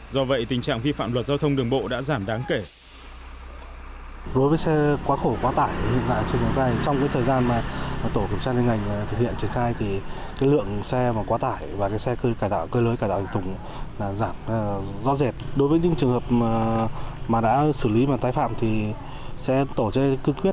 do vậy tình trạng vi phạm luật giao thông đường bộ đã giảm đáng kể